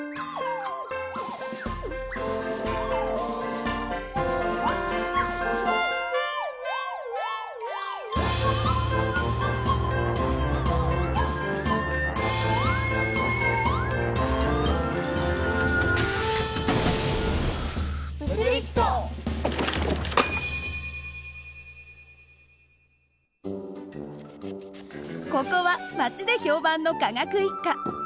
ここは町で評判の科学一家物理家。